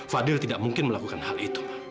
fadil tidak mungkin melakukan hal itu